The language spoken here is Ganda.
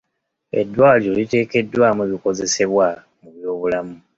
Eddwaliro liteekeddwamu ebikozesebwa mu byobulamu.